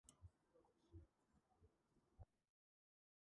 რაიხსტაგის შტურმის ერთ-ერთი უკანასკნელი მონაწილე.